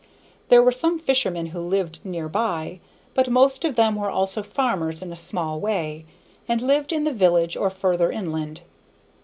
There were some fishermen who lived near by, but most of them were also farmers in a small way, and lived in the village or farther inland.